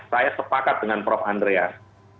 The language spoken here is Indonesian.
saya sepakat dengan prof andreas